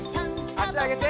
あしあげて。